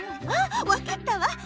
あっわかったわ！